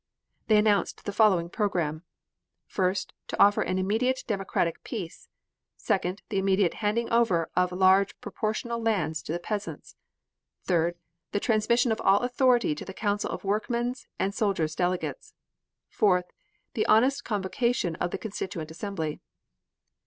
They announced the following program: First: The offer of an immediate democratic peace. Second: The immediate handing over of large proportional lands to the peasants. Third: The transmission of all authority to the Council of Workmen's and Soldiers' Delegates. Fourth: The honest convocation of the Constituent Assembly.